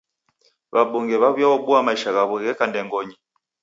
W'abunge w'aw'iaobua maisha ghaw'o gheka ndengonyi.